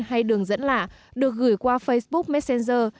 hay đường dẫn lạ được gửi qua facebook messenger